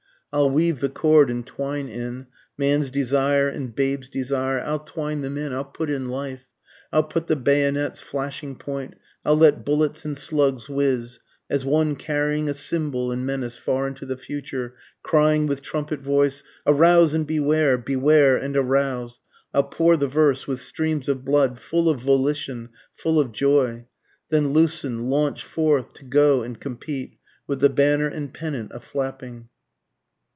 I'll weave the chord and twine in, Man's desire and babe's desire, I'll twine them in, I'll put in life, I'll put the bayonet's flashing point, I'll let bullets and slugs whizz, (As one carrying a symbol and menace far into the future, Crying with trumpet voice, Arouse and beware! Beware and arouse!) I'll pour the verse with streams of blood, full of volition, full of joy. Then loosen, launch forth, to go and compete, With the banner and pennant a flapping.